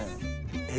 え